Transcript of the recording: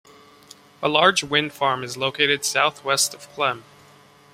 A large wind farm is located southwest of Klemme.